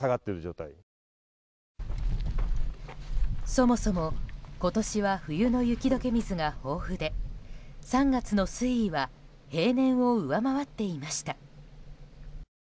そもそも今年は冬の雪解け水が豊富で３月の水位は平年を上回っていました。